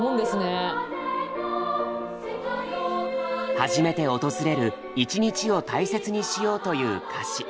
初めて訪れる「いちにち」を大切にしようという歌詞。